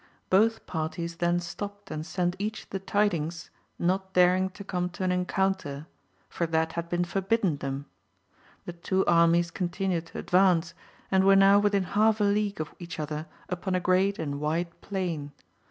Both parties then stopt and sent each the tidings, not daring to come to an encounter ; for that had been forbidden them. The two armies continued to advance, and were now within half a league of each other upon a great and wide plain.